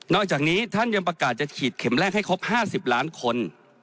อกจากนี้ท่านยังประกาศจะฉีดเข็มแรกให้ครบ๕๐ล้านคน